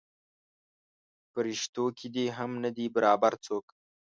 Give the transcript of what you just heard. پریشتو کې دې هم نه دی برابر څوک.